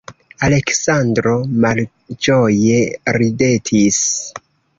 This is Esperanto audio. Aleksandro malĝoje ridetis.